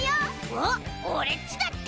おっオレっちだって！